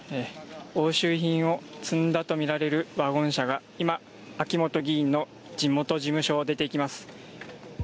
押収品を積んだとみられるワゴン車が今秋本議員の地元事務所を出ていきます。